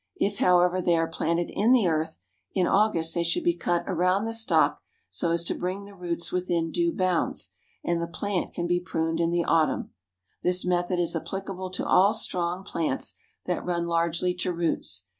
If, however, they are planted in the earth, in August they should be cut around the stock so as to bring the roots within due bounds, and the plant can be pruned in the autumn. This method is applicable to all strong plants that run largely to roots.